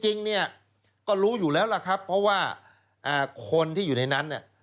จริงเนี่ยก็รู้อยู่แล้วล่ะครับเพราะว่าคนที่อยู่ในนั้นเนี่ย